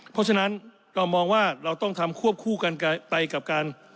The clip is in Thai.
เพราะฉะนั้นเรามองว่าเราต้องทำควบคู่กันไปกับการ